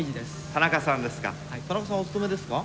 田中さんお勤めですか？